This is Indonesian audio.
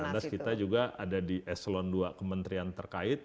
dan kita juga ada di eselon dua kementrian terkait